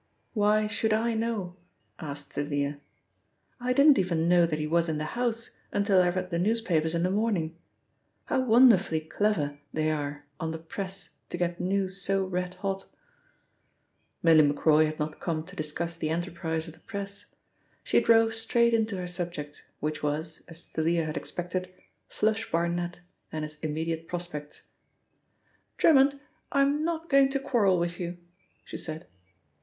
Why should I know?" asked Thalia. "I didn't even know that he was in the house until I read the newspapers in the morning how wonderfully clever they are on the Press to get news so red hot." Milly Macroy had not come to discuss the enterprise of the Press. She drove straight into her subject, which was, as Thalia had expected, 'Flush' Barnet and his immediate prospects. "Drummond, I'm not going to quarrel with you," she said.